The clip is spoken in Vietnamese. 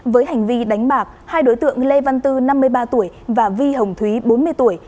với hành vi đánh bạc hai đối tượng lê văn tư năm mươi ba tuổi và vi hồng thúy bốn mươi tuổi